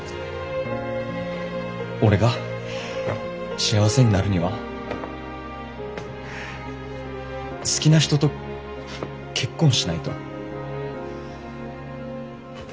俺が幸せになるには好きな人と結婚しないと。